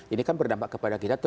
ini kan berdampak kepada kita